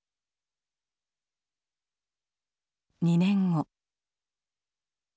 ２年後。